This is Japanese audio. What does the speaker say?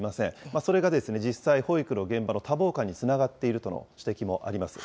それが実際、保育の現場の多忙感につながっているとの指摘もあります。